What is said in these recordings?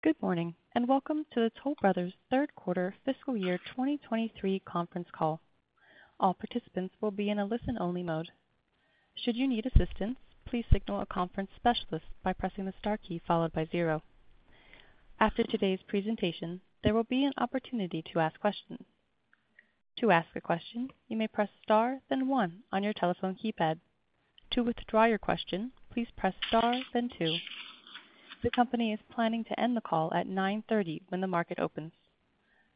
Good morning, and Welcome to the Toll Brothers Q3 Fiscal Year 2023 Conference Call. All participants will be in a listen-only mode. Should you need assistance, please signal a conference specialist by pressing the star key followed by zero. After today's presentation, there will be an opportunity to ask questions. To ask a question, you may press star, then one on your telephone keypad. To withdraw your question, please press star, then two. The company is planning to end the call at 9:30 A.M. when the market opens.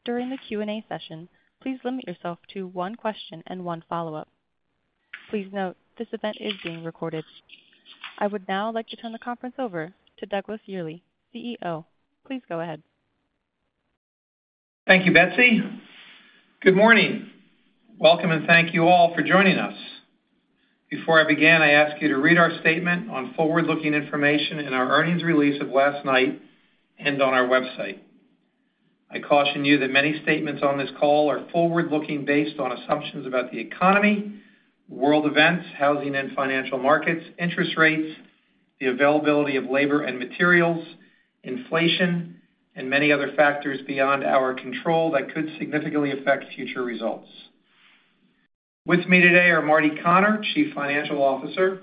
During the Q&A session, please limit yourself to one question and one follow-up. Please note, this event is being recorded. I would now like to turn the conference over to Douglas Yearley, CEO. Please go ahead. Thank you, Betsy. Good morning. Welcome, thank you all for joining us. Before I begin, I ask you to read our statement on forward-looking information in our earnings release of last night and on our website. I caution you that many statements on this call are forward-looking, based on assumptions about the economy, world events, housing and financial markets, interest rates, the availability of labor and materials, inflation, and many other factors beyond our control that could significantly affect future results. With me today are Marty Conner, Chief Financial Officer,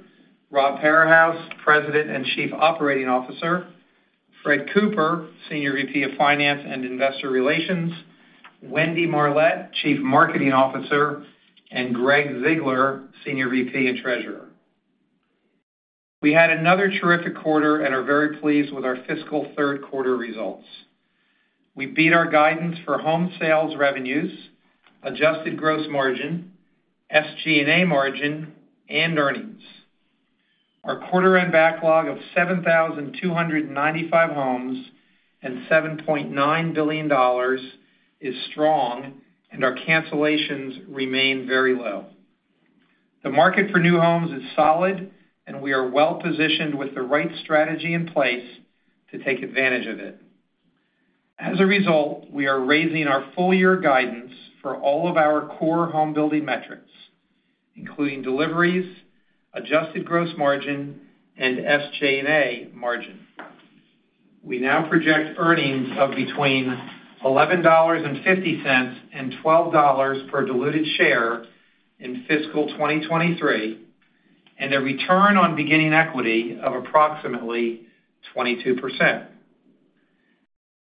Robert Parahus, President and Chief Operating Officer, Fred Cooper, Senior VP of Finance and Investor Relations, Wendy Marlett, Chief Marketing Officer, and Gregg Ziegler, Senior VP and Treasurer. We had another terrific quarter, are very pleased with our fiscal Q3 results. We beat our guidance for home sales revenues, adjusted gross margin, SG&A margin, and earnings. Our quarter-end backlog of 7,295 homes and $7.9 billion is strong, and our cancellations remain very low. The market for new homes is solid, and we are well-positioned with the right strategy in place to take advantage of it. As a result, we are raising our full-year guidance for all of our core home building metrics, including deliveries, adjusted gross margin, and SG&A margin. We now project earnings of between $11.50 and $12 per diluted share in fiscal 2023, and a return on beginning equity of approximately 22%.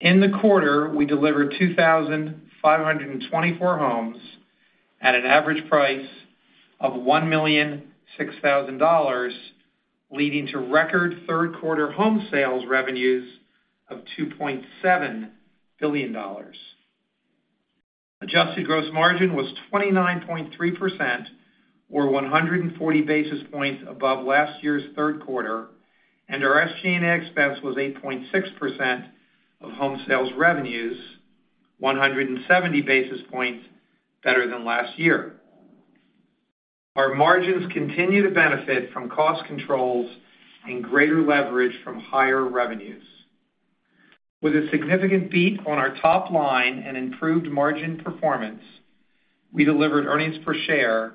In the quarter, we delivered 2,524 homes at an average price of $1,006,000, leading to record Q3 home sales revenues of $2.7 billion. Adjusted gross margin was 29.3% or 140 basis points above last year's Q3. Our SG&A expense was 8.6% of home sales revenues, 170 basis points better than last year. Our margins continue to benefit from cost controls and greater leverage from higher revenues. With a significant beat on our top line and improved margin performance, we delivered earnings per share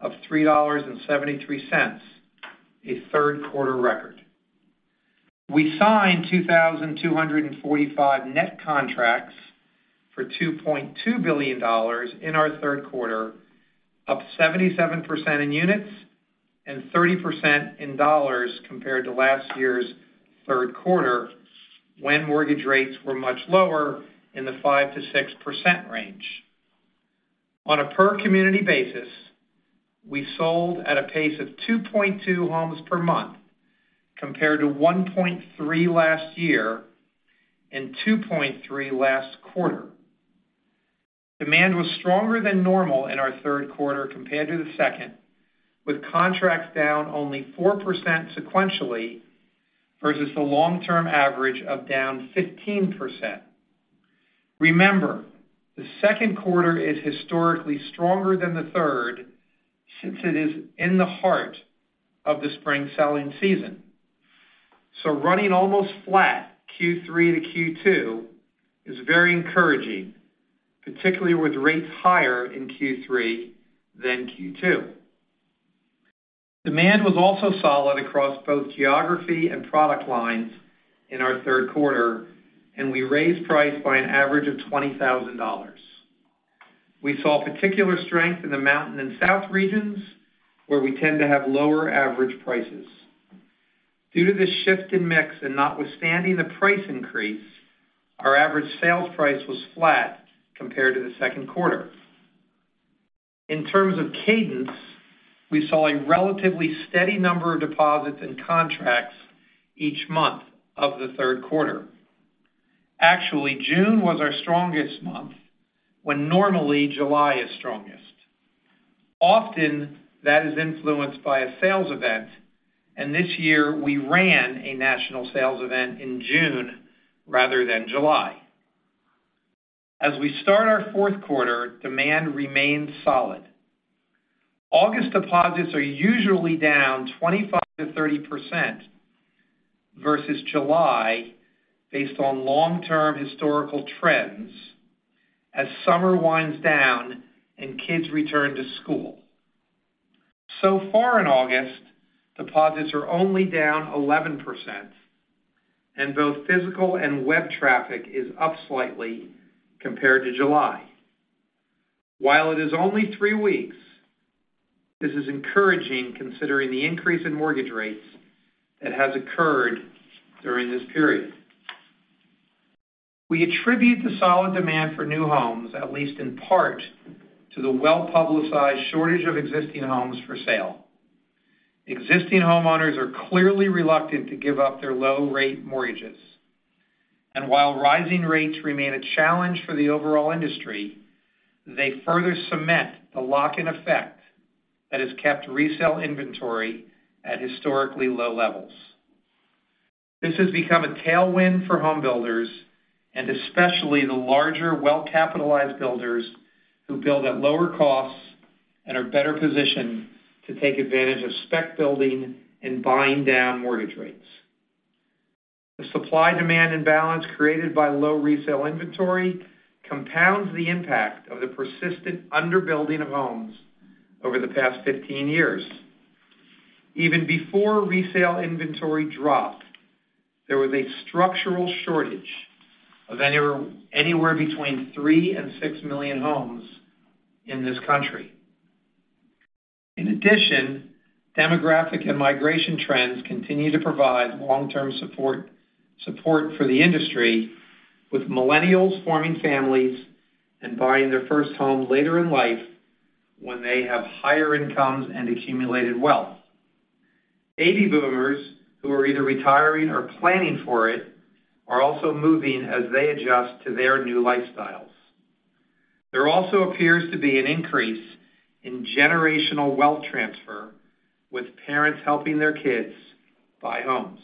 of $3.73, a Q3 record. We signed 2,245 net contracts for $2.2 billion in our Q3, up 77% in units and 30% in dollars compared to last year's Q3, when mortgage rates were much lower in the 5%-6% range. On a per-community basis, we sold at a pace of 2.2 homes per month, compared to 1.3 last year and 2.3 last quarter. Demand was stronger than normal in our Q3 compared to the second, with contracts down only 4% sequentially versus the long-term average of down 15%. Remember, the Q2 is historically stronger than the third since it is in the heart of the spring selling season. Running almost flat, Q3 to Q2 is very encouraging, particularly with rates higher in Q3 than Q2. Demand was also solid across both geography and product lines in our Q3, we raised price by an average of $20,000. We saw particular strength in the Mountain and South regions, where we tend to have lower average prices. Due to this shift in mix and notwithstanding the price increase, our average sales price was flat compared to the Q2. In terms of cadence, we saw a relatively steady number of deposits and contracts each month of the Q3. Actually, June was our strongest month, when normally July is strongest. Often, that is influenced by a sales event, and this year we ran a national sales event in June rather than July. As we start our Q4, demand remains solid. August deposits are usually down 25%-30% versus July based on long-term historical trends as summer winds down and kids return to school. So far in August, deposits are only down 11%, and both physical and web traffic is up slightly compared to July. While it is only three weeks, this is encouraging considering the increase in mortgage rates that has occurred during this period. We attribute the solid demand for new homes, at least in part, to the well-publicized shortage of existing homes for sale. Existing homeowners are clearly reluctant to give up their low-rate mortgages, and while rising rates remain a challenge for the overall industry, they further cement the lock-in effect that has kept resale inventory at historically low levels. This has become a tailwind for home builders, and especially the larger, well-capitalized builders who build at lower costs and are better positioned to take advantage of spec building and buying down mortgage rates. The supply-demand imbalance created by low resale inventory compounds the impact of the persistent under-building of homes over the past 15 years. Even before resale inventory dropped, there was a structural shortage of anywhere, anywhere between 3 million and 6 million homes in this country. In addition, demographic and migration trends continue to provide long-term support, support for the industry, with millennials forming families and buying their first home later in life when they have higher incomes and accumulated wealth. Baby boomers who are either retiring or planning for it are also moving as they adjust to their new lifestyles. There also appears to be an increase in generational wealth transfer, with parents helping their kids buy homes.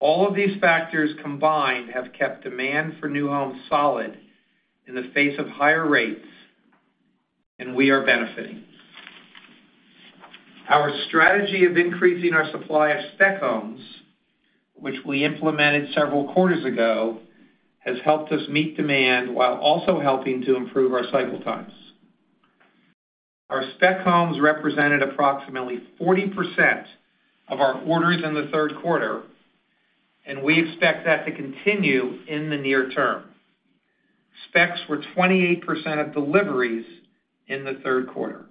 All of these factors combined have kept demand for new homes solid in the face of higher rates, and we are benefiting. Our strategy of increasing our supply of spec homes, which we implemented several quarters ago, has helped us meet demand while also helping to improve our Cycle times. Our spec homes represented approximately 40% of our orders in the Q3, and we expect that to continue in the near term. Specs were 28% of deliveries in the Q3.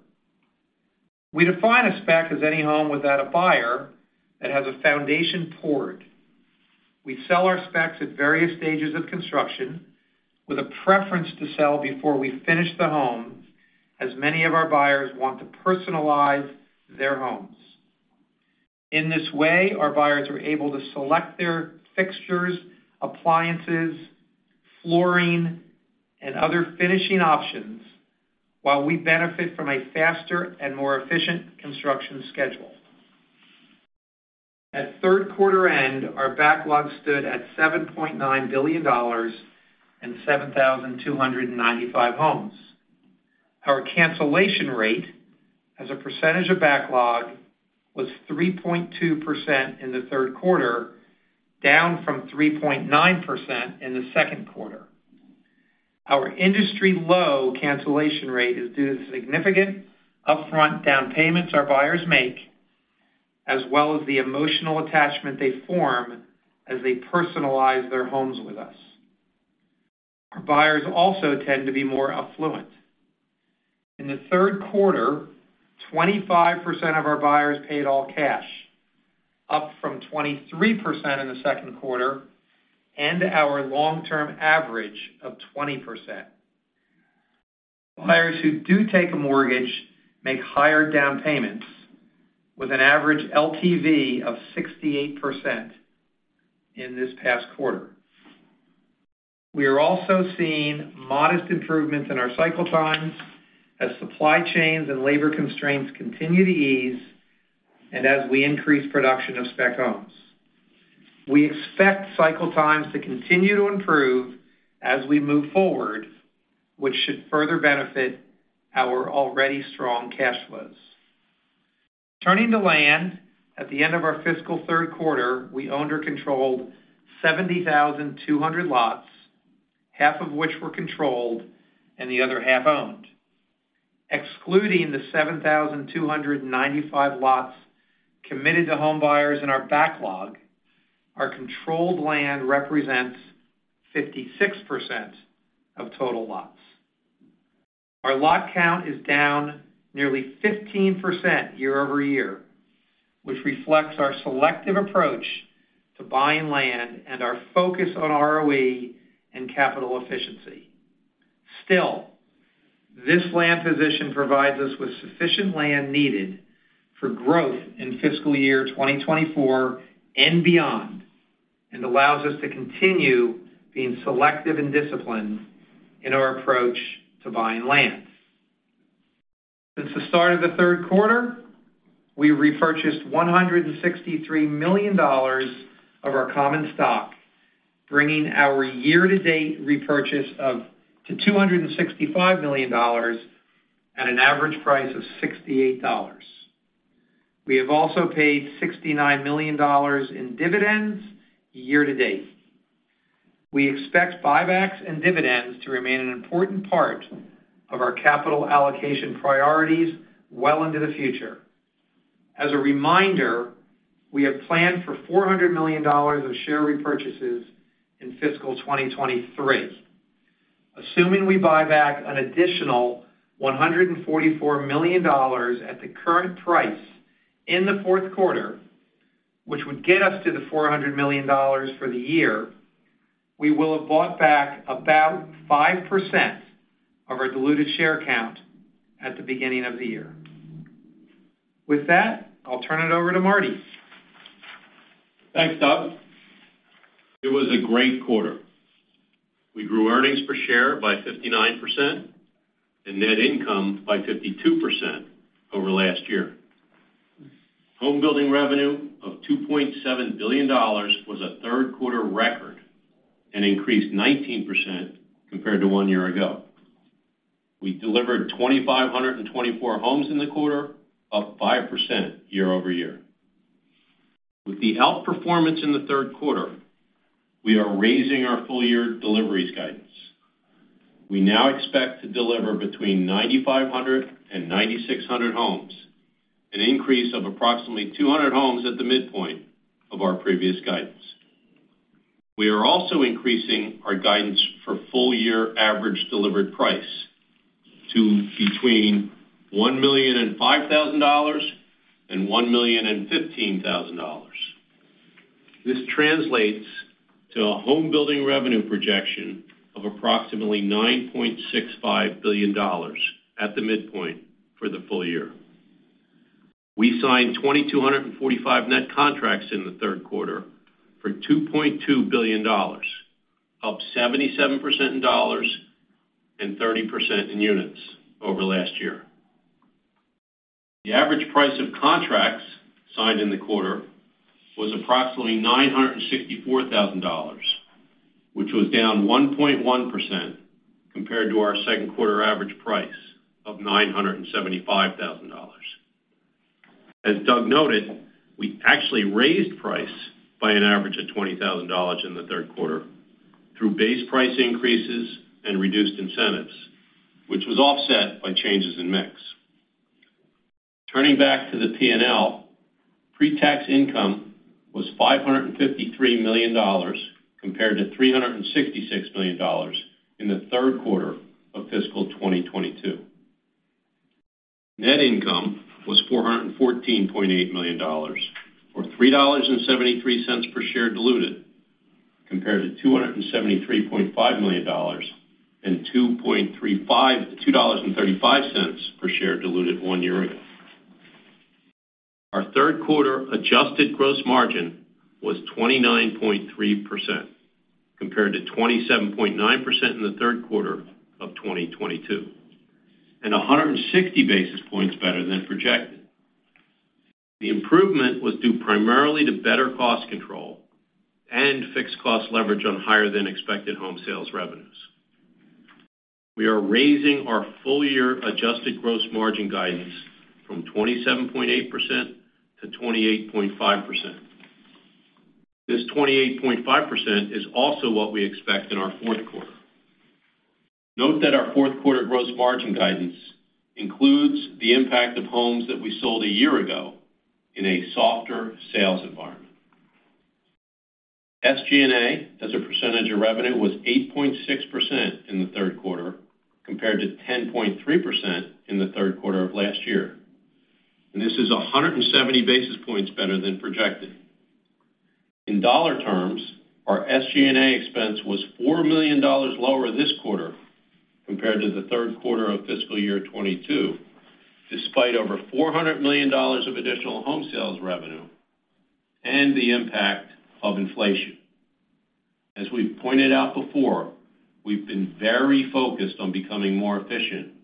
We define a spec as any home without a buyer that has a foundation poured. We sell our specs at various stages of construction, with a preference to sell before we finish the home, as many of our buyers want to personalize their homes. In this way, our buyers are able to select their fixtures, appliances, flooring, and other finishing options while we benefit from a faster and more efficient construction schedule. At Q3 end, our backlog stood at $7.9 billion and 7,295 homes. Our cancellation rate as a percentage of backlog was 3.2% in the Q3, down from 3.9% in the Q2. Our industry-low cancellation rate is due to the significant upfront down payments our buyers make, as well as the emotional attachment they form as they personalize their homes with us. Our buyers also tend to be more affluent. In the Q3, 25% of our buyers paid all cash, up from 23% in the Q2, and our long-term average of 20%. Buyers who do take a mortgage make higher down payments, with an average LTV of 68% in this past quarter. We are also seeing modest improvements in our cycle time as supply chains and labor constraints continue to ease, and as we increase production of spec homes. We expect cycle time to continue to improve as we move forward, which should further benefit our already strong cash flows. Turning to land, at the end of our fiscal Q3, we owned or controlled 70,200 lots, 50% of which were controlled and the other 50% owned. Excluding the 7,295 lots committed to home buyers in our backlog, our controlled land represents 56% of total lots. Our lot count is down nearly 15% year-over-year, which reflects our selective approach to buying land and our focus on ROE and capital efficiency. Still, this land position provides us with sufficient land needed for growth in fiscal year 2024 and beyond, and allows us to continue being selective and disciplined in our approach to buying land. Since the start of the Q3, we repurchased $163 million of our common stock, bringing our year-to-date repurchase to $265 million at an average price of $68. We have also paid $69 million in dividends year to date. We expect buybacks and dividends to remain an important part of our capital allocation priorities well into the future. As a reminder, we have planned for $400 million of share repurchases in fiscal 2023. Assuming we buy back an additional $144 million at the current price in the Q4, which would get us to the $400 million for the year, we will have bought back about 5% of our diluted share count at the beginning of the year. With that, I'll turn it over to Marty. Thanks, Doug. It was a great quarter. We grew earnings per share by 59% and net income by 52% over last year. Home building revenue of $2.7 billion was a Q3 record, and increased 19% compared to one year ago. We delivered 2,524 homes in the quarter, up 5% year-over-year. With the outperformance in the Q3, we are raising our full year deliveries guidance. We now expect to deliver between 9,500 and 9,600 homes, an increase of approximately 200 homes at the midpoint of our previous guidance. We are also increasing our guidance for full year average delivered price to between $1,005,000 and $1,015,000. This translates to a home building revenue projection of approximately $9.65 billion at the midpoint for the full year. We signed 2,245 net contracts in the Q3 for $2.2 billion, up 77% in dollars and 30% in units over last year. The average price of contracts signed in the quarter was approximately $964,000, which was down 1.1% compared to our Q2 average price of $975,000. As Doug noted, we actually raised price by an average of $20,000 in the Q3 through base price increases and reduced incentives, which was offset by changes in mix. Turning back to the P&L, pre-tax income was $553 million compared to $366 million in the Q3 of fiscal 2022. Net income was $414.8 million, or $3.73 per share diluted, compared to $273.5 million and $2.35 per share diluted one year ago. Our Q3 adjusted gross margin was 29.3%, compared to 27.9% in the Q3 of 2022, and 160 basis points better than projected. The improvement was due primarily to better cost control and fixed cost leverage on higher than expected home sales revenues. We are raising our full year adjusted gross margin guidance from 27.8% to 28.5%. This 28.5% is also what we expect in our Q4. Note that our Q4 gross margin guidance includes the impact of homes that we sold a year ago in a softer sales environment. SG&A, as a percentage of revenue, was 8.6% in the Q3, compared to 10.3% in the Q3 of last year. This is 170 basis points better than projected. In dollar terms, our SG&A expense was $4 million lower this quarter compared to the Q3 of fiscal year 2022, despite over $400 million of additional home sales revenue and the impact of inflation. As we've pointed out before, we've been very focused on becoming more efficient, and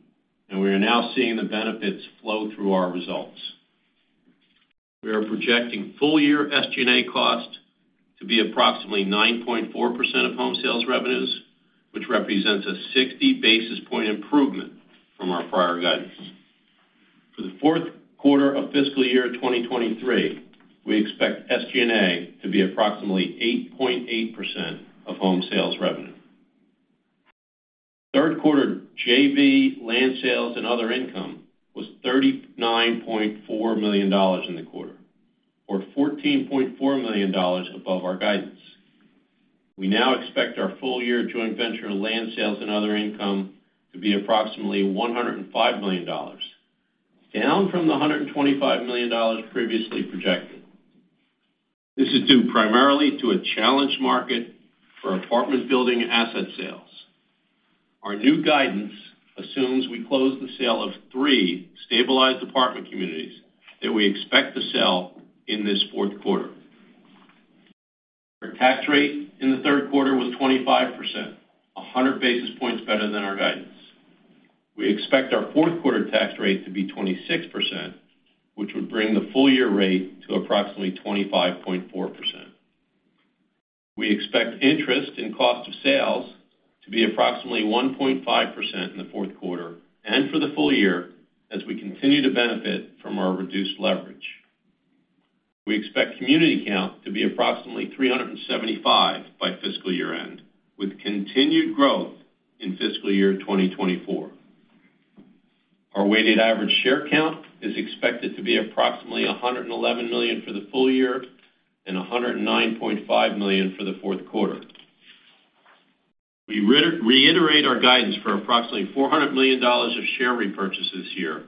we are now seeing the benefits flow through our results. We are projecting full year SG&A cost to be approximately 9.4% of home sales revenues, which represents a 60 basis point improvement from our prior guidance. For the Q4 of fiscal year 2023, we expect SG&A to be approximately 8.8% of home sales revenue. Q3 JV, land sales, and other income was $39.4 million in the quarter, or $14.4 million above our guidance. We now expect our full year joint venture in land sales and other income to be approximately $105 million, down from the $125 million previously projected. This is due primarily to a challenged market for apartment building asset sales. Our new guidance assumes we close the sale of three stabilized apartment communities that we expect to sell in this Q4. Our tax rate in the Q3 was 25%, 100 basis points better than our guidance. We expect our Q4 tax rate to be 26%, which would bring the full year rate to approximately 25.4%. We expect interest in cost of sales to be approximately 1.5% in the Q4 and for the full year as we continue to benefit from our reduced leverage. We expect community count to be approximately 375 by fiscal year-end, with continued growth in fiscal year 2024. Our weighted average share count is expected to be approximately 111 million for the full year and 109.5 million for the Q4. We reiterate our guidance for approximately $400 million of share repurchases this year,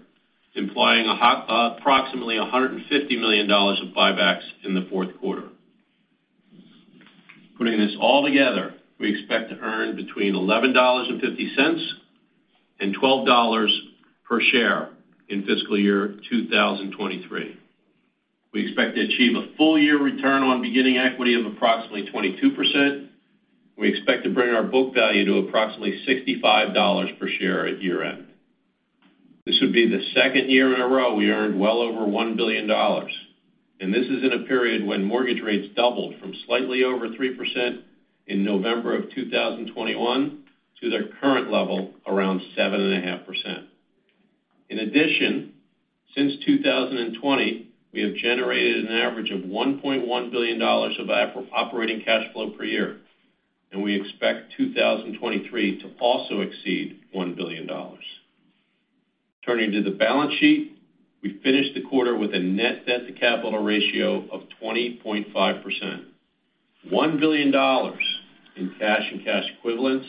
implying approximately $150 million of buybacks in the Q4. Putting this all together, we expect to earn between $11.50 and $12 per share in fiscal year 2023. We expect to achieve a full year return on beginning equity of approximately 22%. We expect to bring our book value to approximately $65 per share at year-end. This would be the second year in a row we earned well over $1 billion, this is in a period when mortgage rates doubled from slightly over 3% in November 2021 to their current level, around 7.5%. In addition, since 2020, we have generated an average of $1.1 billion of operating cash flow per year, and we expect 2023 to also exceed $1 billion. Turning to the balance sheet, we finished the quarter with a net debt to capital ratio of 20.5%, $1 billion in cash and cash equivalents,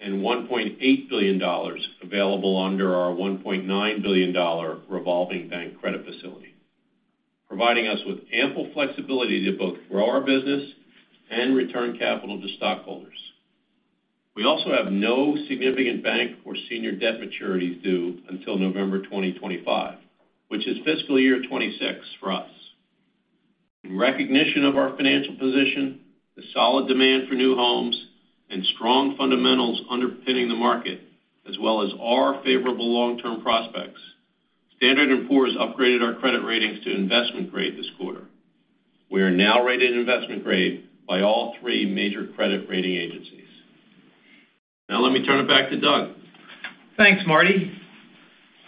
and $1.8 billion available under our $1.9 billion revolving bank credit facility, providing us with ample flexibility to both grow our business and return capital to stockholders. We also have no significant bank or senior debt maturities due until November 2025, which is fiscal year 26 for us. In recognition of our financial position, the solid demand for new homes, and strong fundamentals underpinning the market, as well as our favorable long-term prospects, S&P Global Ratings upgraded our credit ratings to investment grade this quarter. We are now rated investment grade by all three major credit rating agencies. Let me turn it back to Doug. Thanks, Marty.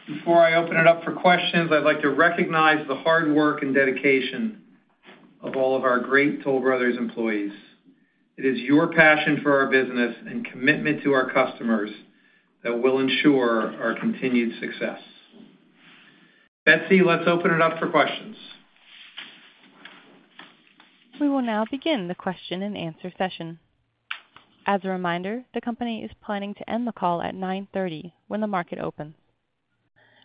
Before I open it up for questions, I'd like to recognize the hard work and dedication of all of our great Toll Brothers employees. It is your passion for our business and commitment to our customers that will ensure our continued success. Betsy, let's open it up for questions. We will now begin the question-and-answer session. As a reminder, the company is planning to end the call at 9:30 when the market opens.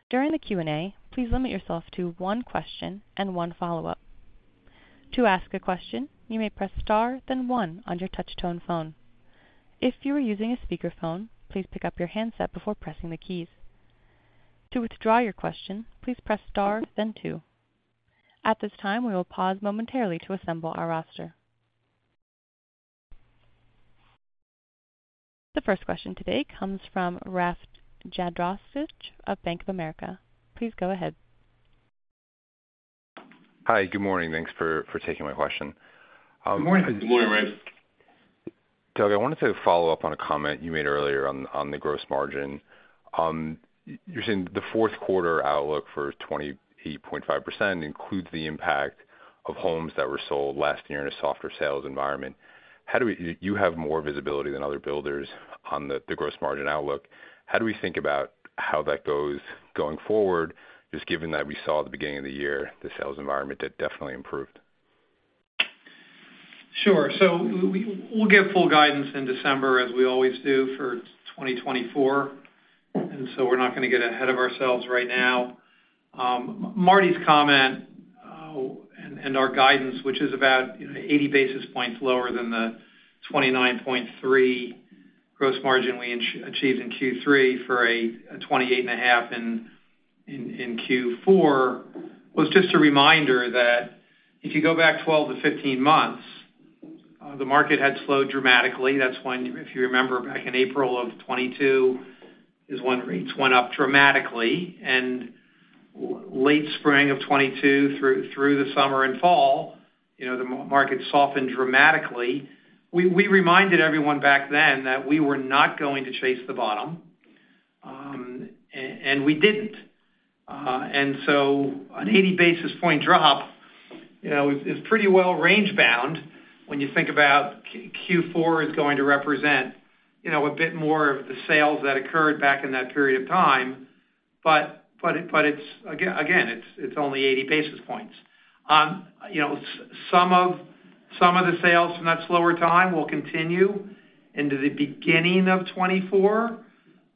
During the Q&A, please limit yourself to 1 question and 1 follow-up. To ask a question, you may press star, then 1 on your touch tone phone. If you are using a speakerphone, please pick up your handset before pressing the keys. To withdraw your question, please press star, then 2. At this time, we will pause momentarily to assemble our roster. The first question today comes from Rafe Jadrosich of Bank of America. Please go ahead. Hi, good morning. Thanks for taking my question. Good morning. Good morning, Rafe. Doug, I wanted to follow up on a comment you made earlier on, on the gross margin. You're saying the Q4 outlook for 28.5% includes the impact of homes that were sold last year in a softer sales environment. You have more visibility than other builders on the, the gross margin outlook. How do we think about how that goes going forward, just given that we saw at the beginning of the year, the sales environment had definitely improved? Sure. We'll give full guidance in December, as we always do, for 2024, and so we're not going to get ahead of ourselves right now. Marty's comment, and our guidance, which is about 80 basis points lower than the 29.3% gross margin we achieved in Q3 for a 28.5% in Q4, was just a reminder that if you go back 12-15 months, the market had slowed dramatically. That's when, if you remember, back in April of 2022, is when rates went up dramatically, and late spring of 2022, through the summer and fall, you know, the market softened dramatically. We reminded everyone back then that we were not going to chase the bottom, and we didn't. So an 80 basis point drop, you know, is pretty well range-bound when you think about Q4 is going to represent, you know, a bit more of the sales that occurred back in that period of time. It's, again, it's only 80 basis points. You know, some of the sales from that slower time will continue into the beginning of 2024,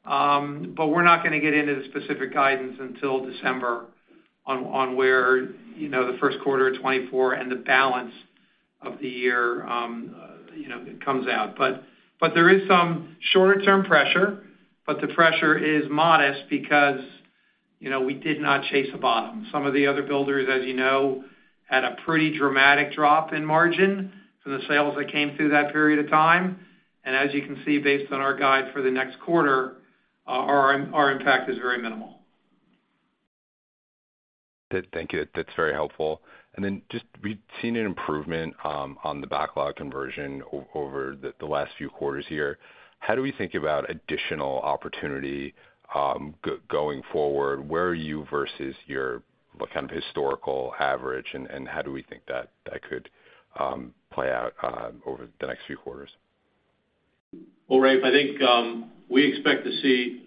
but we're not going to get into the specific guidance until December on where, you know, the Q1 of 2024 and the balance of the year, you know, comes out. There is some shorter-term pressure, but the pressure is modest because, you know, we did not chase a bottom. Some of the other builders, as you know, had a pretty dramatic drop in margin from the sales that came through that period of time. As you can see, based on our guide for the next quarter, our impact is very minimal. Good. Thank you. That's very helpful. Then just we've seen an improvement on the backlog conversion over the last few quarters here. How do we think about additional opportunity going forward? Where are you versus your, what kind of historical average, and how do we think that, that could play out over the next few quarters? Well, Rafe, I think, we expect to see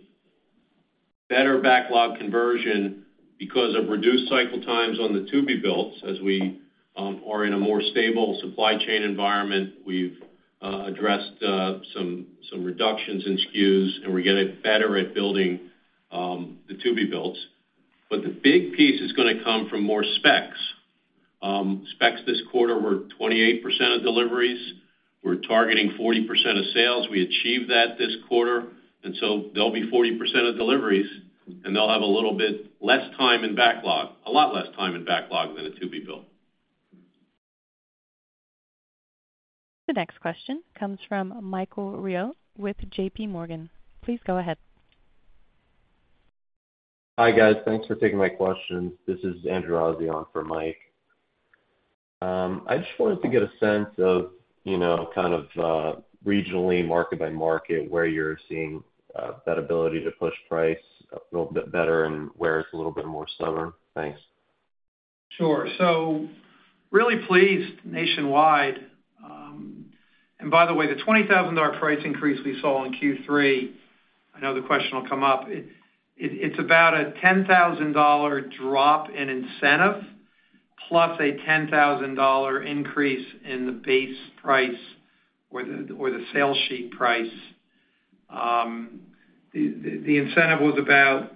better backlog conversion because of reduced cycle time on the to-be-builts. As we are in a more stable supply chain environment, we've addressed some reductions in SKUs, and we're getting better at building the to-be-builts. The big piece is gonna come from more specs. Specs this quarter were 28% of deliveries. We're targeting 40% of sales. We achieved that this quarter, so they'll be 40% of deliveries, and they'll have a little bit less time in backlog, a lot less time in backlog than a to-be-built. The next question comes from Michael Rehaut with J.P. Morgan. Please go ahead. Hi, guys. Thanks for taking my questions. This is Andrew Azzi for Mike. I just wanted to get a sense of, you know, kind of, regionally, market by market, where you're seeing that ability to push price a little bit better and where it's a little bit more stubborn. Thanks. Sure. Really pleased nationwide. And by the way, the $20,000 price increase we saw in Q3, I know the question will come up. It's about a $10,000 drop in incentive, plus a $10,000 increase in the base price or the sale sheet price. The incentive was about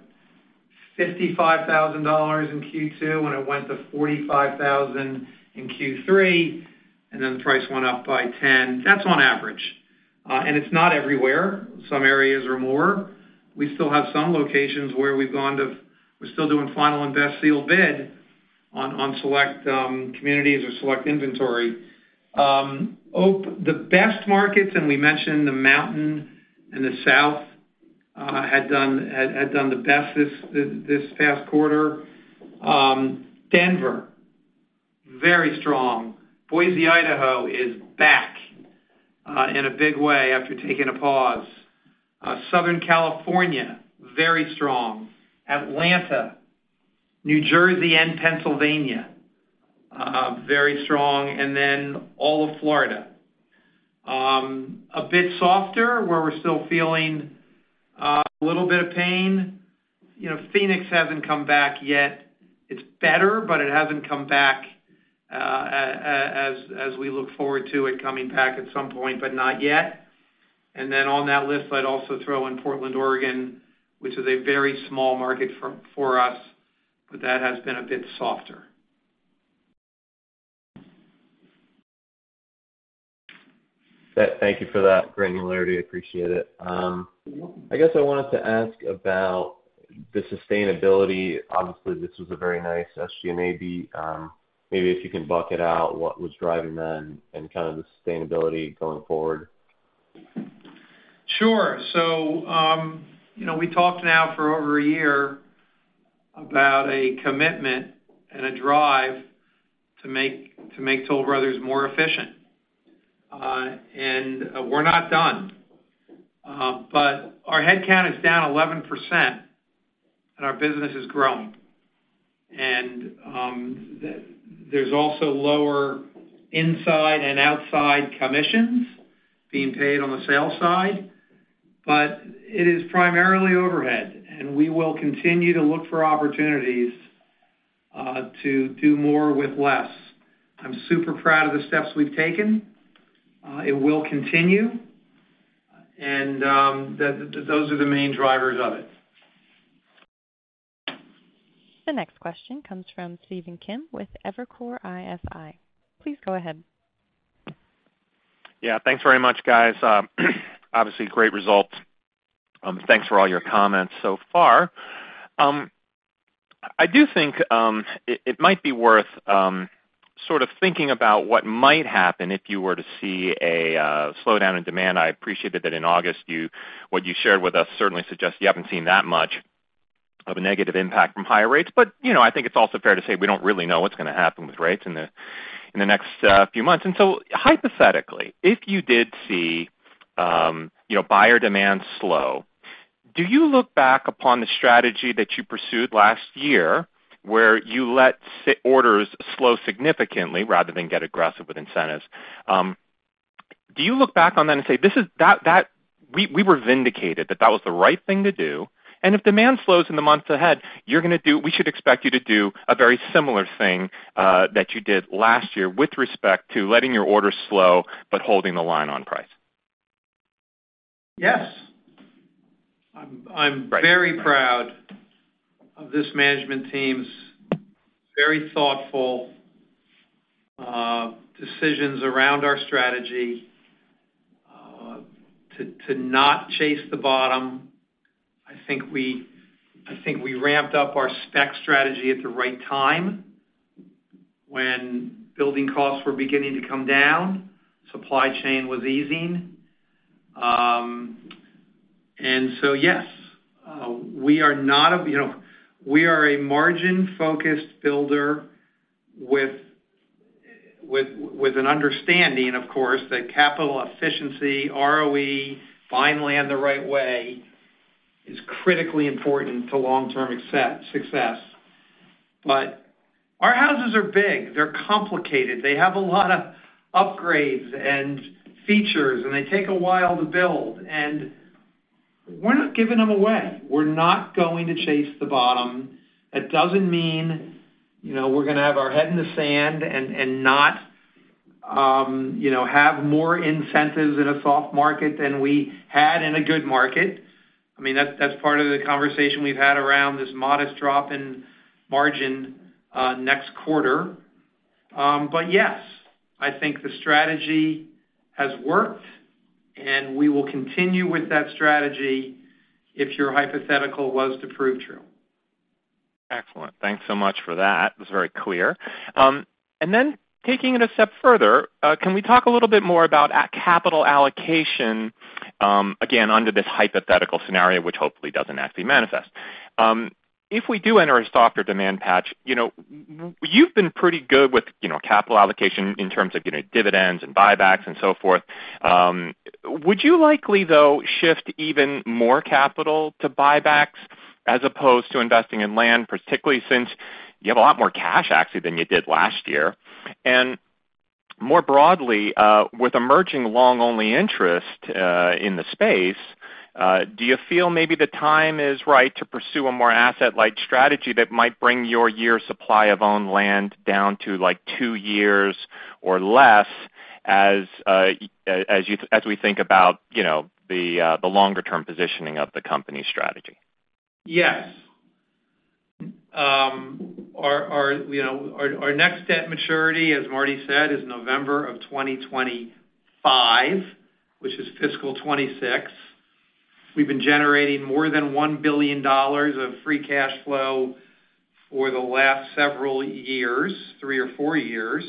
$55,000 in Q2, when it went to $45,000 in Q3, and then the price went up by $10,000. That's on average, and it's not everywhere. Some areas are more. We still have some locations where we're still doing final and best sealed bid on select communities or select inventory. The best markets, and we mentioned the Mountain and the South, had done the best this past quarter. Denver, very strong. Boise, Idaho, is back in a big way after taking a pause. Southern California, very strong. Atlanta, New Jersey, and Pennsylvania, very strong, and then all of Florida. A bit softer, where we're still feeling a little bit of pain. You know, Phoenix hasn't come back yet. It's better, but it hasn't come back as we look forward to it coming back at some point, but not yet. On that list, I'd also throw in Portland, Oregon, which is a very small market for, for us, but that has been a bit softer. Thank you for that granularity. Appreciate it. You're welcome. I guess I wanted to ask about the sustainability. Obviously, this was a very nice SG&A. Maybe if you can bucket out what was driving that and, and kind of the sustainability going forward. Sure. You know, we talked now for over a year about a commitment and a drive to make Toll Brothers more efficient. We're not done, our headcount is down 11%, and our business has grown. There's also lower inside and outside commissions being paid on the sales side, it is primarily overhead, and we will continue to look for opportunities to do more with less. I'm super proud of the steps we've taken. It will continue, those are the main drivers of it. The next question comes from Stephen Kim with Evercore ISI. Please go ahead. Yeah. Thanks very much, guys. Obviously, great results. Thanks for all your comments so far. I do think it, it might be worth sort of thinking about what might happen if you were to see a slowdown in demand. I appreciated that in August, what you shared with us certainly suggests you haven't seen that much of a negative impact from higher rates. You know, I think it's also fair to say we don't really know what's gonna happen with rates in the, in the next few months. So, hypothetically, if you did see, you know, buyer demand slow, do you look back upon the strategy that you pursued last year, where you let orders slow significantly rather than get aggressive with incentives? Do you look back on that and say, this is that, that... We, we were vindicated, that that was the right thing to do, and if demand slows in the months ahead, you're gonna we should expect you to do a very similar thing, that you did last year with respect to letting your orders slow, but holding the line on price? Yes. Right. I'm very proud of this management team's very thoughtful decisions around our strategy to, to not chase the bottom. I think we, I think we ramped up our spec strategy at the right time when building costs were beginning to come down, supply chain was easing. Yes, you know, we are a margin-focused builder with, with, with an understanding, of course, that capital efficiency, ROE, finally on the right way, is critically important to long-term success. Our houses are big, they're complicated, they have a lot of upgrades and features, and they take a while to build, and we're not giving them away. We're not going to chase the bottom. That doesn't mean, you know, we're gonna have our head in the sand and, and not, you know, have more incentives in a soft market than we had in a good market. I mean, that's, that's part of the conversation we've had around this modest drop in margin, next quarter. Yes, I think the strategy has worked, and we will continue with that strategy if your hypothetical was to prove true. Excellent. Thanks so much for that. It was very clear. Then taking it a step further, can we talk a little bit more about capital allocation, again, under this hypothetical scenario, which hopefully doesn't actually manifest. If we do enter a softer demand patch, you know, you've been pretty good with, you know, capital allocation in terms of getting dividends and buybacks and so forth. Would you likely, though, shift even more capital to buybacks as opposed to investing in land, particularly since you have a lot more cash, actually, than you did last year? More broadly, with emerging long-only interest in the space, do you feel maybe the time is right to pursue a more asset-light strategy that might bring your year's supply of owned land down to, like, 2 years or less, as we think about, you know, the longer term positioning of the company's strategy? Yes. Our, our, you know, our, our next debt maturity, as Marty said, is November of 2025, which is fiscal 26. We've been generating more than $1 billion of free cash flow for the last several years, 3 or 4 years.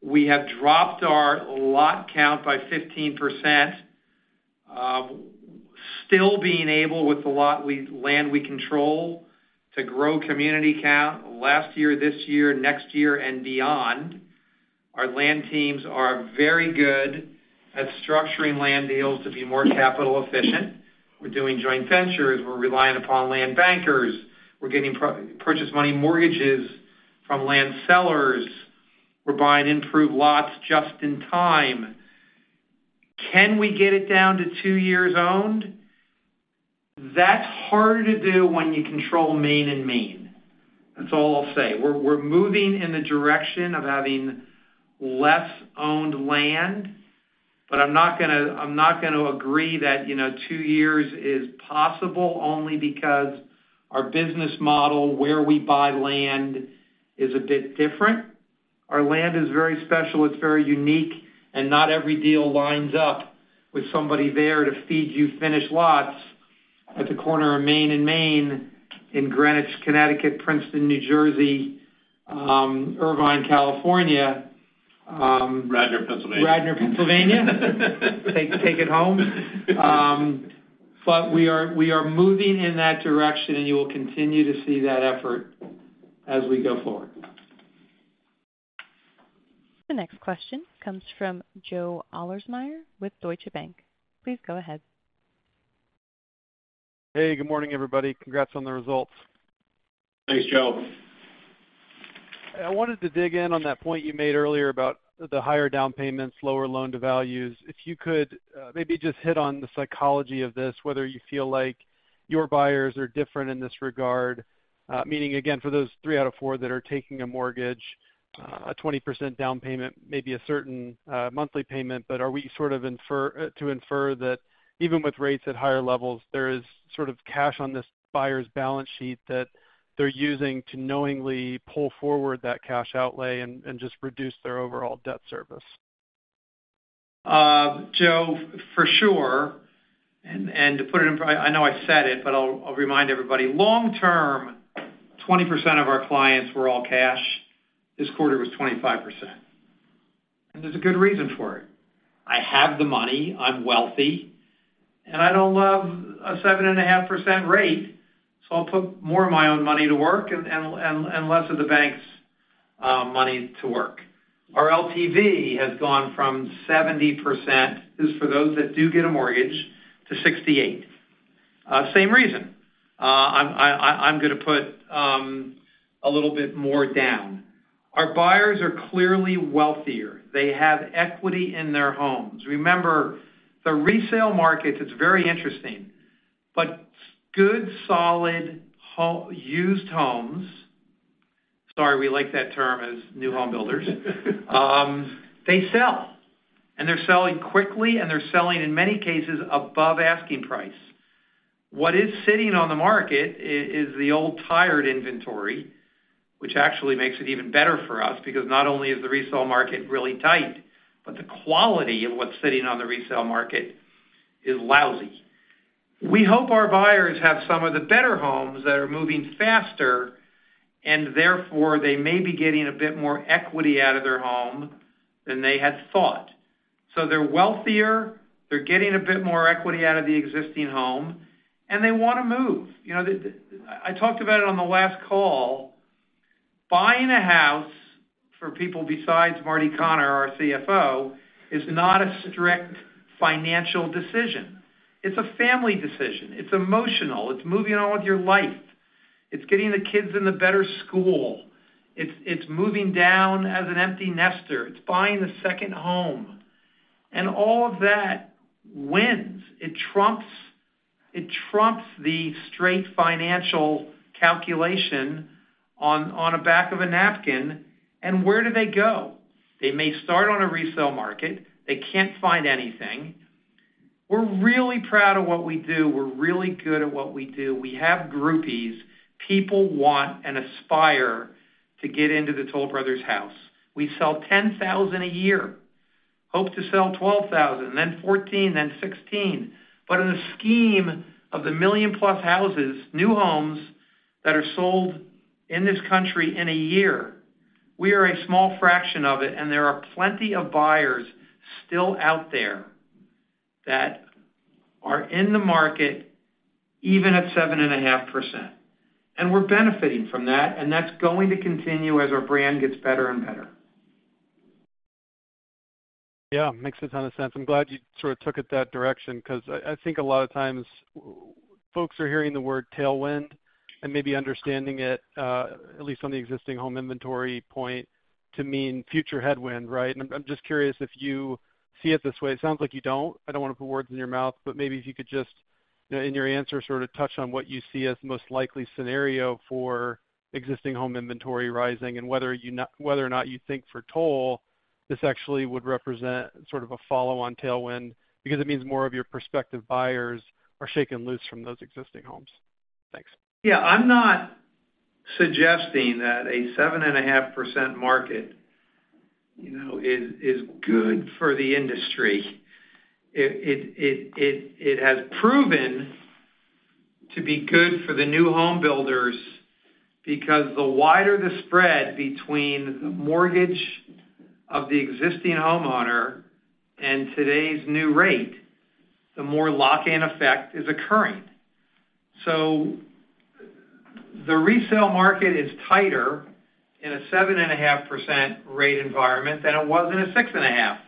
We have dropped our lot count by 15%, still being able, with the land we control, to grow community count last year, this year, next year, and beyond. Our land teams are very good at structuring land deals to be more capital efficient. We're doing joint ventures. We're relying upon land bankers. We're getting purchase money mortgages from land sellers. We're buying improved lots just in time. Can we get it down to 2 years owned? That's harder to do when you control Main and Main. That's all I'll say. We're, we're moving in the direction of having less owned land, I'm not gonna, I'm not gonna agree that, you know, two years is possible, only because our business model, where we buy land, is a bit different. Our land is very special, it's very unique, and not every deal lines up with somebody there to feed you finished lots at the corner of Main and Main in Greenwich, Connecticut, Princeton, New Jersey, Irvine, California. Radnor, Pennsylvania. Radnor, Pennsylvania. Take, take it home. We are, we are moving in that direction, and you will continue to see that effort as we go forward. The next question comes from Joe Ahlersmeyer with Deutsche Bank. Please go ahead. Hey, good morning, everybody. Congrats on the results. Thanks, Joe. I wanted to dig in on that point you made earlier about the higher down payments, lower loan-to-values. If you could, maybe just hit on the psychology of this, whether you feel like your buyers are different in this regard? Meaning, again, for those three out of four that are taking a mortgage, a 20% down payment, maybe a certain, monthly payment, but are we sort of to infer that even with rates at higher levels, there is sort of cash on this buyer's balance sheet that they're using to knowingly pull forward that cash outlay and, and just reduce their overall debt service? Joe, for sure. To put it in... I know I said it, but I'll, I'll remind everybody. Long term, 20% of our clients were all cash. This quarter was 25%, and there's a good reason for it. I have the money, I'm wealthy, and I don't love a 7.5% rate, so I'll put more of my own money to work and, and, and, and less of the bank's money to work. Our LTV has gone from 70%, this is for those that do get a mortgage, to 68%. Same reason. I'm, I'm gonna put a little bit more down. Our buyers are clearly wealthier. They have equity in their homes. Remember, the resale markets, it's very interesting, but good, solid used homes... Sorry, we like that term as new home builders. They sell, and they're selling quickly, and they're selling, in many cases, above asking price. What is sitting on the market is the old tired inventory, which actually makes it even better for us, because not only is the resale market really tight, but the quality of what's sitting on the resale market is lousy. We hope our buyers have some of the better homes that are moving faster, and therefore, they may be getting a bit more equity out of their home than they had thought. They're wealthier, they're getting a bit more equity out of the existing home, and they want to move. You know, I talked about it on the last call. Buying a house for people besides Marty Conner, our CFO, is not a strict financial decision. It's a family decision. It's emotional. It's moving on with your life. It's getting the kids in the better school. It's, it's moving down as an empty nester. It's buying a second home. All of that wins. It trumps, it trumps the straight financial calculation on, on a back of a napkin. Where do they go? They may start on a resale market. They can't find anything. We're really proud of what we do. We're really good at what we do. We have groupies. People want and aspire to get into the Toll Brothers house. We sell 10,000 a year, hope to sell 12,000, then 14, then 16. In the scheme of the million-plus houses, new homes that are sold in this country in a year, we are a small fraction of it. There are plenty of buyers still out there that are in the market, even at 7.5%. We're benefiting from that, and that's going to continue as our brand gets better and better. Yeah, makes a ton of sense. I'm glad you sort of took it that direction, 'cause I, I think a lot of times folks are hearing the word tailwind and maybe understanding it, at least on the existing home inventory point, to mean future headwind, right? I'm, I'm just curious if you see it this way. It sounds like you don't. I don't wanna put words in your mouth, but maybe if you could just, you know, in your answer, sort of touch on what you see as the most likely scenario for existing home inventory rising, and whether or not you think for Toll, this actually would represent sort of a follow-on tailwind, because it means more of your prospective buyers are shaken loose from those existing homes. Thanks. Yeah, I'm not suggesting that a 7.5% market, you know, is, is good for the industry. It has proven to be good for the new home builders, because the wider the spread between the mortgage of the existing homeowner and today's new rate, the more lock-in effect is occurring. The resale market is tighter in a 7.5% rate environment than it was in a 6.5%,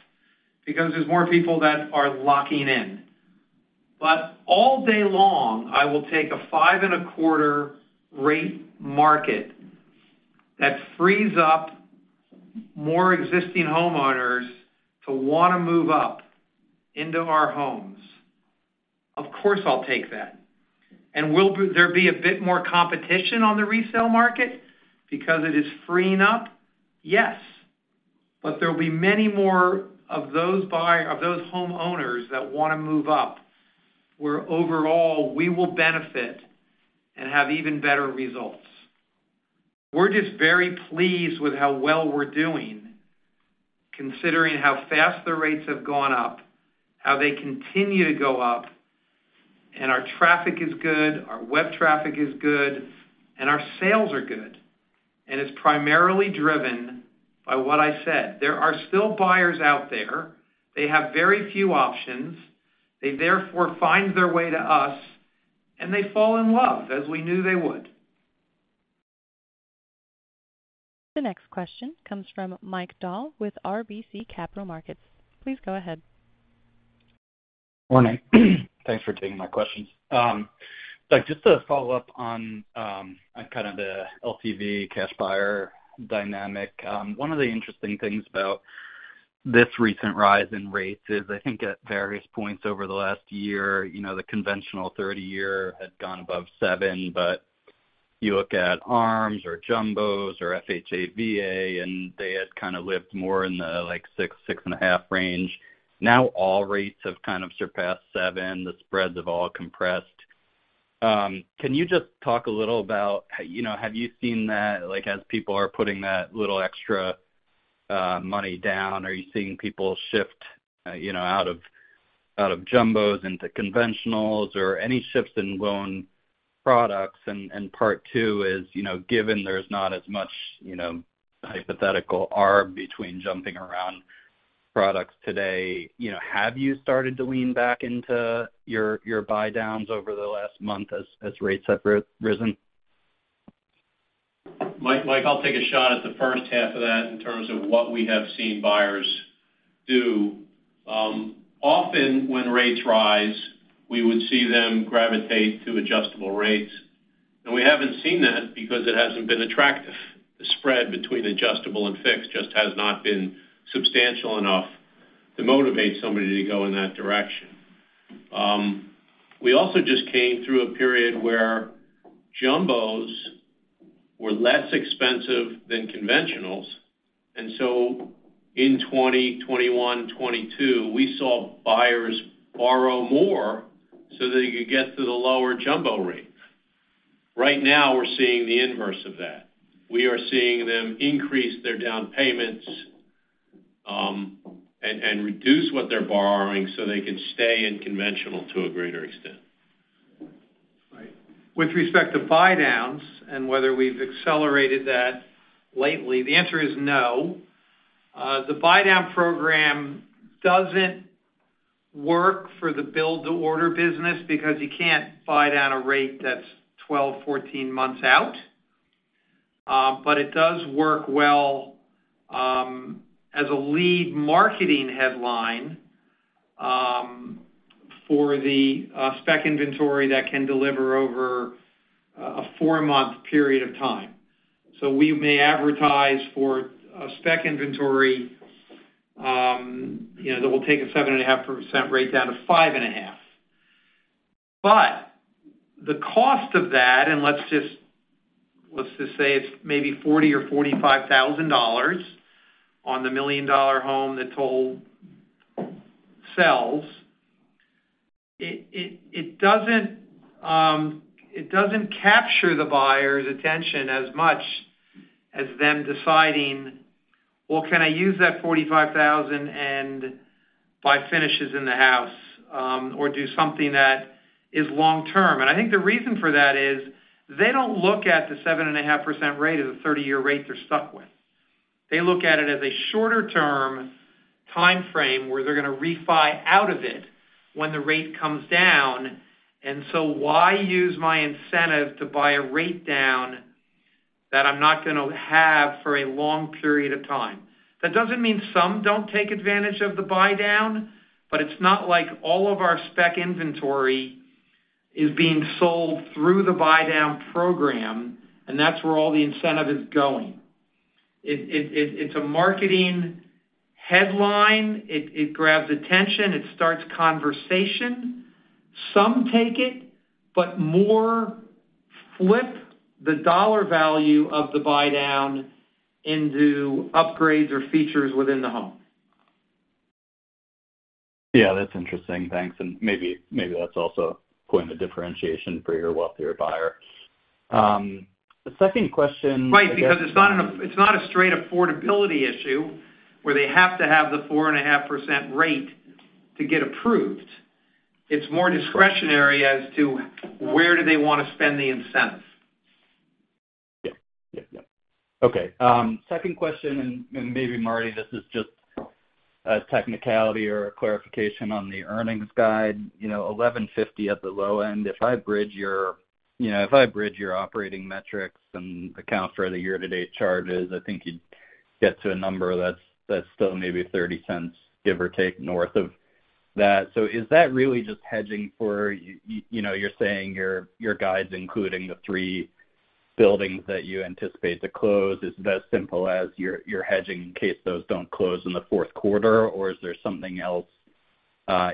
because there's more people that are locking in. All day long, I will take a 5.25% rate market that frees up more existing homeowners to wanna move up into our homes. Of course, I'll take that. Will there be a bit more competition on the resale market because it is freeing up? Yes, there will be many more of those homeowners that wanna move up, where overall, we will benefit and have even better results. We're just very pleased with how well we're doing, considering how fast the rates have gone up, how they continue to go up. Our traffic is good, our web traffic is good. Our sales are good. It's primarily driven by what I said. There are still buyers out there. They have very few options. They, therefore, find their way to us. They fall in love, as we knew they would. The next question comes from Mike Dahl with RBC Capital Markets. Please go ahead. Morning. Thanks for taking my questions. So just to follow up on kind of the LTV cash buyer dynamic, one of the interesting things about this recent rise in rates is, I think, at various points over the last year, you know, the conventional 30-year had gone above 7%, but you look at ARMs or jumbos or FHA, VA, and they had kind of lived more in the, like, 6%, 6.5% range. Now, all rates have kind of surpassed 7%. The spreads have all compressed. Can you just talk a little about, you know, have you seen that, like, as people are putting that little extra money down, are you seeing people shift, you know, out of, out of jumbos into conventionals or any shifts in loan products? Part two is, you know, given there's not as much, you know, hypothetical arb between jumping around products today, you know, have you started to lean back into your, your buydowns over the last month as, as rates have risen? Mike, Mike, I'll take a shot at the first half of that in terms of what we have seen buyers do. Often when rates rise, we would see them gravitate to adjustable rates, and we haven't seen that because it hasn't been attractive. The spread between adjustable and fixed just has not been substantial enough to motivate somebody to go in that direction. We also just came through a period where jumbos were less expensive than conventionals, so in 2020, 2021, 2022, we saw buyers borrow more so that they could get to the lower jumbo rate. Right now, we're seeing the inverse of that. We are seeing them increase their down payments, and, and reduce what they're borrowing so they can stay in conventional to a greater extent. Right. With respect to buydowns and whether we've accelerated that lately, the answer is no. The buydown program doesn't work for the build-to-order business because you can't buy down a rate that's 12, 14 months out. It does work well as a lead marketing headline for the spec inventory that can deliver over a four-month period of time. We may advertise for a spec inventory, you know, that will take a 7.5% rate down to 5.5%. The cost of that, and let's just, let's just say it's maybe $40,000 or $45,000 on the $1 million home that Toll sells. It doesn't capture the buyer's attention as much as them deciding, "Well, can I use that $45,000 and buy finishes in the house, or do something that is long term?" I think the reason for that is, they don't look at the 7.5% rate as a 30-year rate they're stuck with. They look at it as a shorter-term time frame, where they're going to refi out of it when the rate comes down. Why use my incentive to buy a rate down that I'm not going to have for a long period of time? That doesn't mean some don't take advantage of the buydown, but it's not like all of our spec inventory is being sold through the buydown program, and that's where all the incentive is going. It's a marketing headline, it grabs attention, it starts conversation. Some take it, but more flip the dollar value of the buydown into upgrades or features within the home. Yeah, that's interesting. Thanks. Maybe, maybe that's also point of differentiation for your wealthier buyer. The second question- Right, because it's not, it's not a straight affordability issue, where they have to have the 4.5% rate to get approved. It's more discretionary as to where do they want to spend the incentive. Yep. Yep, yep. Okay, second question, and, and maybe, Marty, this is just a technicality or a clarification on the earnings guide. You know, $11.50 at the low end. If I bridge your operating metrics and account for the year-to-date charges, I think you'd get to a number that's, that's still maybe $0.30, give or take, north of that. Is that really just hedging for, you know, you're saying your, your guide's including the three buildings that you anticipate to close? Is it as simple as you're, you're hedging in case those don't close in the Q4, or is there something else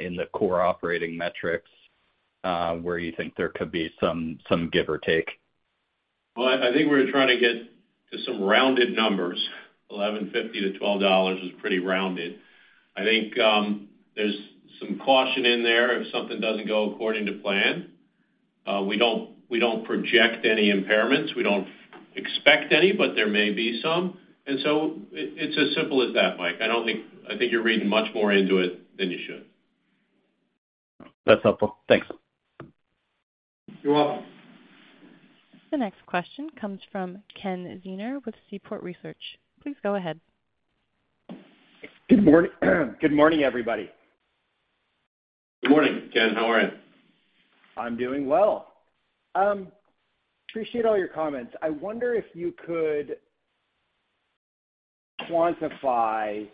in the core operating metrics where you think there could be some, some give or take? Well, I, I think we're trying to get to some rounded numbers. $11.50-$12 is pretty rounded. I think, there's some caution in there if something doesn't go according to plan. We don't, we don't project any impairments. We don't expect any, but there may be some. So it's as simple as that, Mike. I think you're reading much more into it than you should. That's helpful. Thanks. You're welcome. The next question comes from Ken Zener with Seaport Research. Please go ahead. Good morning. Good morning, everybody. Good morning, Ken. How are you? I'm doing well. Appreciate all your comments. I wonder if you could quantify,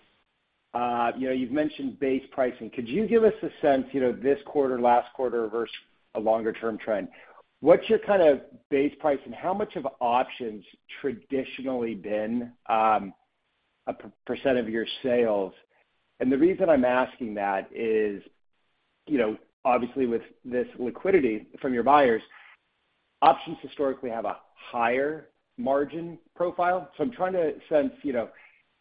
you know, you've mentioned base pricing. Could you give us a sense, you know, this quarter, last quarter, versus a longer-term trend? What's your kind of base price, and how much have options traditionally been, percent of your sales? The reason I'm asking that is, you know, obviously, with this liquidity from your buyers, options historically have a higher margin profile. I'm trying to sense, you know,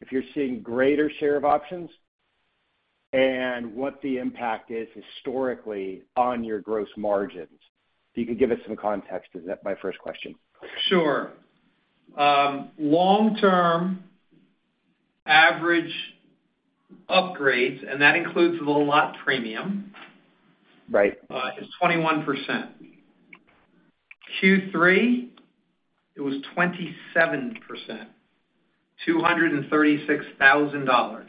if you're seeing greater share of options and what the impact is historically on your gross margins. If you could give us some context, is that my first question? Sure. Long-term average upgrades, and that includes the lot premium. Right... is 21%. Q3, it was 27%, $236,000.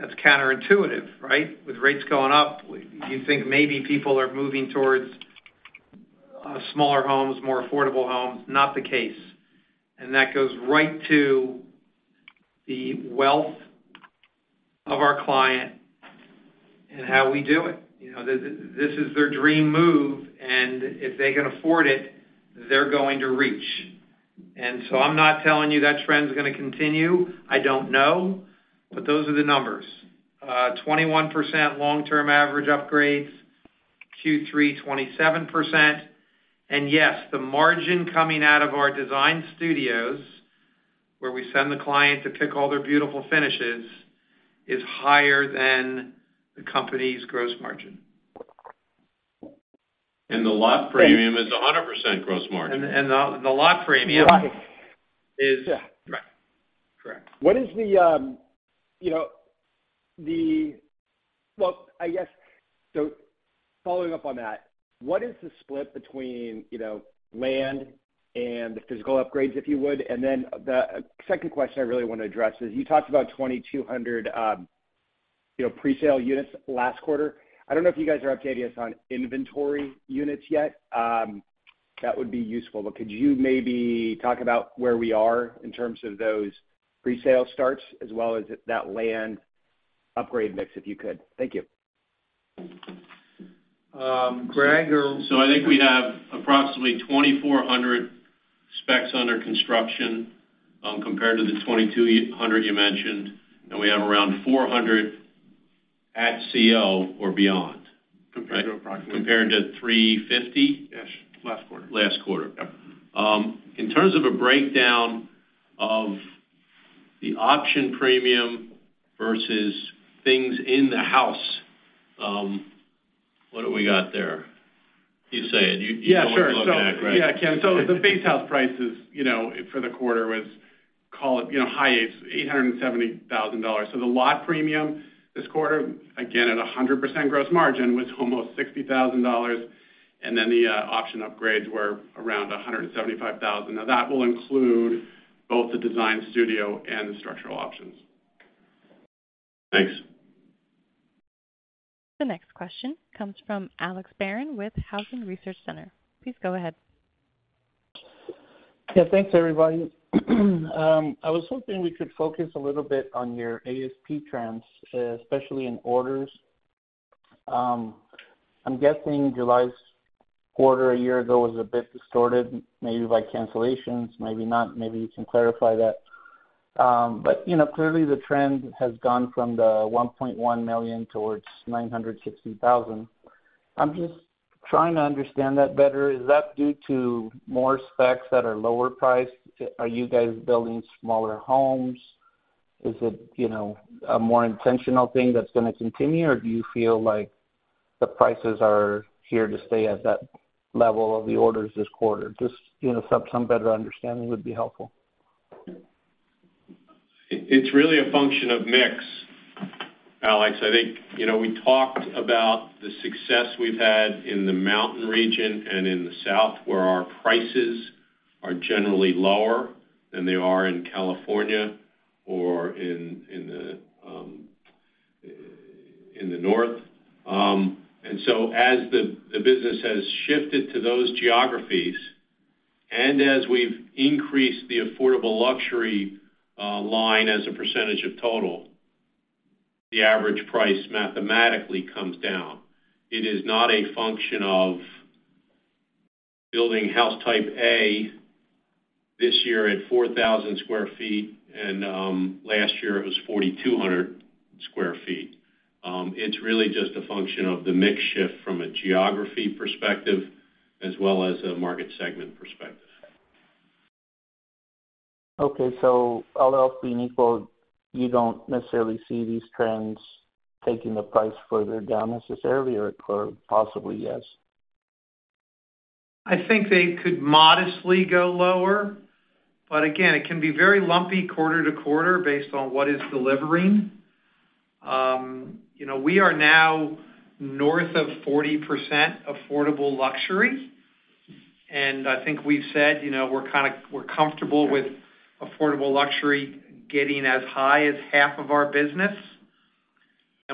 That's counterintuitive, right? With rates going up, you think maybe people are moving towards smaller homes, more affordable homes. Not the case. That goes right to the wealth of our client and how we do it. You know, this is their dream move, and if they can afford it, they're going to reach. I'm not telling you that trend is going to continue, I don't know, but those are the numbers. 21% long-term average upgrades, Q3, 27%. Yes, the margin coming out of our design studios, where we send the client to pick all their beautiful finishes, is higher than the company's gross margin. The lot premium is 100% gross margin. The lot premium- Right. Is- Yeah. Right. Correct. What is the, you know, Following up on that, what is the split between, you know, land and the physical upgrades, if you would? The second question I really want to address is, you talked about 2,200, you know, presale units last quarter. I don't know if you guys are updating us on inventory units yet. That would be useful, but could you maybe talk about where we are in terms of those presale starts as well as that land upgrade mix, if you could? Thank you. Gregg, or- I think we have approximately 2,400 specs under construction, compared to the 2,200 you mentioned, and we have around 400 at CO or beyond. Compared to. Compared to $350? Yes, last quarter. Last quarter. Yep. In terms of a breakdown of the option premium versus things in the house, what have we got there? You say it, Yeah, sure. You go and look back, right? Yeah, Ken. The base house prices, you know, for the quarter was, call it, you know, high eight, $870,000. The lot premium this quarter, again, at 100% gross margin, was almost $60,000. Option upgrades were around $175,000. Now, that will include both the design studio and the structural options. Thanks. The next question comes from Alex Barron with Housing Research Center. Please go ahead. Yeah, thanks, everybody. I was hoping we could focus a little bit on your ASP trends, especially in orders. I'm guessing July's quarter a year ago was a bit distorted, maybe by cancellations, maybe not. Maybe you can clarify that. You know, clearly the trend has gone from the $1.1 million towards $960,000. I'm just trying to understand that better. Is that due to more specs that are lower priced? Are you guys building smaller homes? Is it, you know, a more intentional thing that's gonna continue, or do you feel like the prices are here to stay at that level of the orders this quarter? Just, you know, some, some better understanding would be helpful. It, it's really a function of mix, Alex. I think, you know, we talked about the success we've had in the Mountain region and in the South, where our prices are generally lower than they are in California or in, in the North. So as the, the business has shifted to those geographies, and as we've increased the affordable luxury line as a % of total, the average price mathematically comes down. It is not a function of building house type A this year at 4,000 sq ft, and last year it was 4,200 sq ft. It's really just a function of the mix shift from a geography perspective as well as a market segment perspective. Okay, all else being equal, you don't necessarily see these trends taking the price further down necessarily, or, or possibly, yes? I think they could modestly go lower, but again, it can be very lumpy quarter-to-quarter based on what is delivering. You know, we are now north of 40% affordable luxury, and I think we've said, you know, we're comfortable with affordable luxury getting as high as half of our business.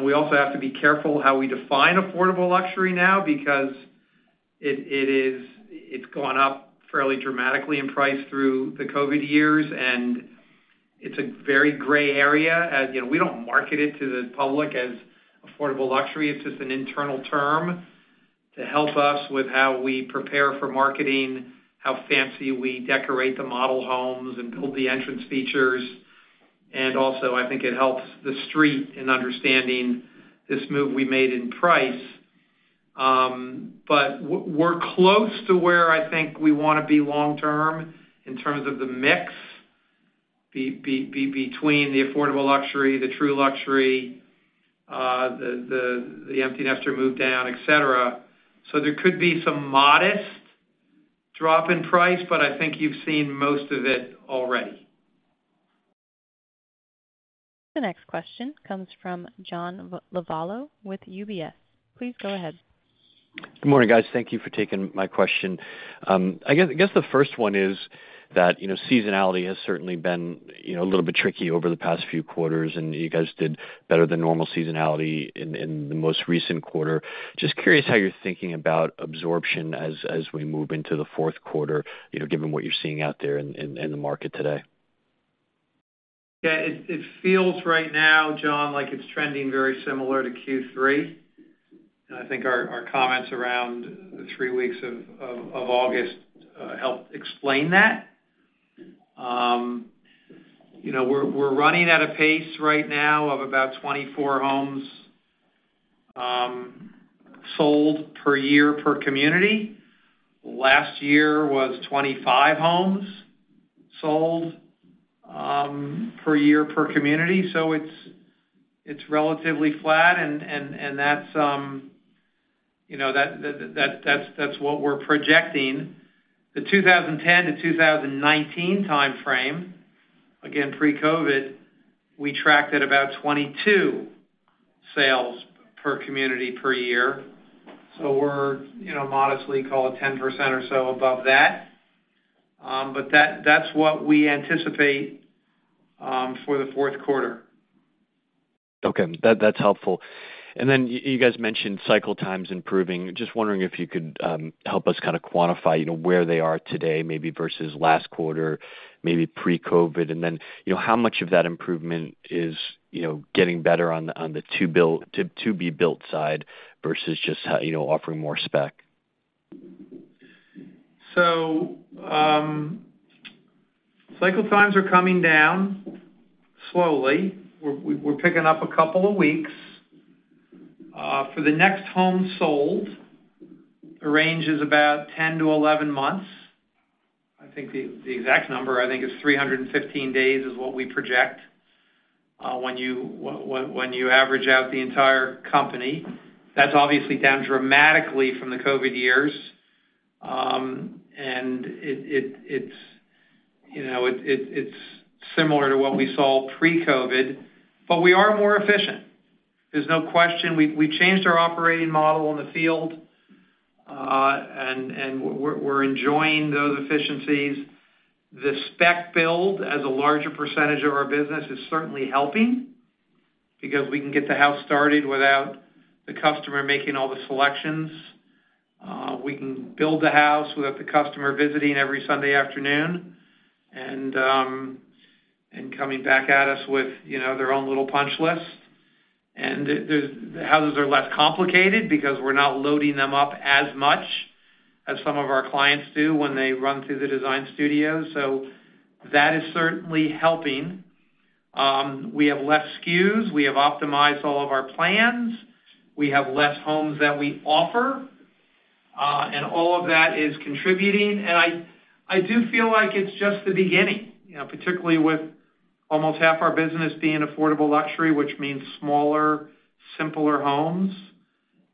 We also have to be careful how we define affordable luxury now, because it's gone up fairly dramatically in price through the COVID years, and it's a very gray area. As you know, we don't market it to the public as affordable luxury. It's just an internal term to help us with how we prepare for marketing, how fancy we decorate the model homes and build the entrance features. Also, I think it helps the street in understanding this move we made in price. We're close to where I think we want to be long term in terms of the mix, between the affordable luxury, the true luxury, the, the, the empty nester move down, et cetera. There could be some modest drop in price, but I think you've seen most of it already. The next question comes from John Lovallo with UBS. Please go ahead. Good morning, guys. Thank you for taking my question. I guess, I guess the first one is that, you know, seasonality has certainly been, you know, a little bit tricky over the past few quarters, and you guys did better than normal seasonality in, in the most recent quarter. Just curious how you're thinking about absorption as, as we move into the Q4, you know, given what you're seeing out there in, in, in the market today. Yeah, it, it feels right now, John, like it's trending very similar to Q3. I think our, our comments around the three weeks of, of, of August helped explain that. You know, we're, we're running at a pace right now of about 24 homes sold per year per community. Last year was 25 homes sold per year per community, so it's, it's relatively flat, and, and, and that's, you know, that, that, that's, that's what we're projecting. The 2010 to 2019 timeframe, again, pre-COVID, we tracked at about 22 sales per community per year. We're, you know, modestly, call it 10% or so above that, but that, that's what we anticipate for the Q4. Okay. That, that's helpful. Then y-you guys mentioned cycle time improving. Just wondering if you could help us kind of quantify, you know, where they are today, maybe versus last quarter, maybe pre-COVID, and then, you know, how much of that improvement is, you know, getting better on the, on the to-build, to-be-built side versus just, you know, offering more spec? Cycle time are coming down slowly. We're, we're picking up a couple of weeks. For the next home sold, the range is about 10-11 months. I think the, the exact number, I think, is 315 days, is what we project, when you when you average out the entire company. That's obviously down dramatically from the COVID years. And it, it's, you know, it, it's similar to what we saw pre-COVID, but we are more efficient. There's no question. We've, we've changed our operating model in the field, and we're, we're enjoying those efficiencies. The spec build, as a larger % of our business, is certainly helping because we can get the house started without the customer making all the selections. We can build the house without the customer visiting every Sunday afternoon and coming back at us with, you know, their own little punch list. The, the houses are less complicated because we're not loading them up as much as some of our clients do when they run through the design studio. That is certainly helping. We have less SKUs. We have optimized all of our plans. We have less homes that we offer, and all of that is contributing. I, I do feel like it's just the beginning, you know, particularly with almost half our business being affordable luxury, which means smaller, simpler homes,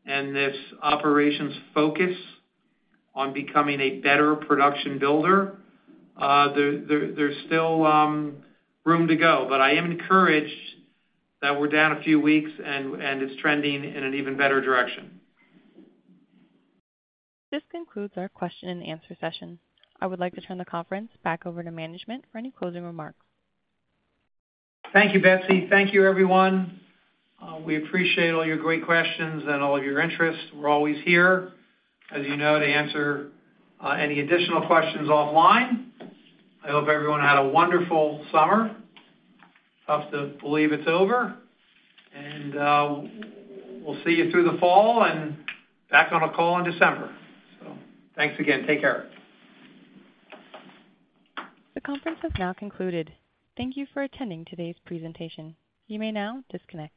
and this operations focus on becoming a better production builder. There's still room to go, but I am encouraged that we're down a few weeks, and it's trending in an even better direction. This concludes our Q&A session. I would like to turn the conference back over to management for any closing remarks. Thank you, Betsy. Thank you, everyone. We appreciate all your great questions and all of your interest. We're always here, as you know, to answer any additional questions offline. I hope everyone had a wonderful summer. Tough to believe it's over. We'll see you through the fall and back on a call in December. Thanks again. Take care. The conference has now concluded. Thank you for attending today's presentation. You may now disconnect.